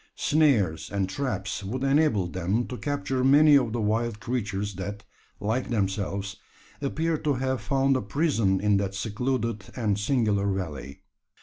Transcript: Snares and traps would enable them to capture many of the wild creatures that, like themselves, appeared to have found a prison in that secluded and singular valley.